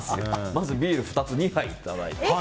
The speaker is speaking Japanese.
まず、ビール２杯いただいて。